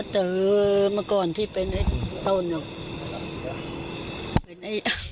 เจอมาก่อนที่เป็นต้นน่ะ